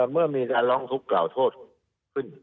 เมื่อมีการร้องทุกข์กล่าวโทษขึ้น